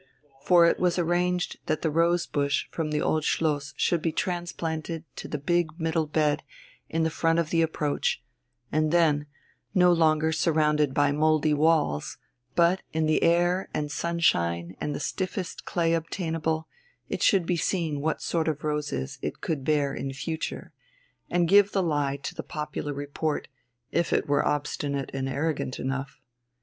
For it was arranged that the rose bush from the Old Schloss should be transplanted to the big middle bed in front of the approach; and then, no longer surrounded by mouldy walls, but in the air and sunshine and the stiffest clay obtainable, it should be seen what sort of roses it could bear in future and give the lie to the popular report, if it were obstinate and arrogant enough.